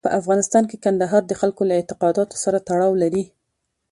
په افغانستان کې کندهار د خلکو له اعتقاداتو سره تړاو لري.